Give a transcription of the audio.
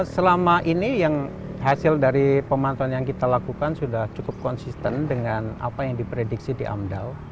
selama ini yang hasil dari pemantauan yang kita lakukan sudah cukup konsisten dengan apa yang diprediksi di amdal